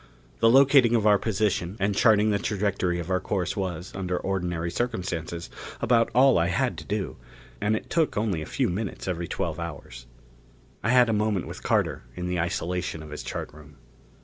The locating of our position and charting the trajectory of our course was, under ordinary circumstances, about all I had to do. And it took only a few minutes every twelve hours. I had a moment with Carter in the isolation of his chart room.